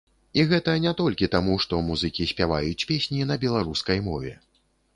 І гэта не толькі таму што музыкі спяваюць песні на беларускай мове.